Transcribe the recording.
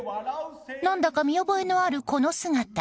なんだか見覚えのあるこの姿。